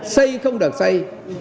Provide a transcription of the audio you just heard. xây không được xây